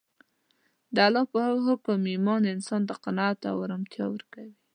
د الله په حکم ایمان انسان ته قناعت او ارامتیا ورکوي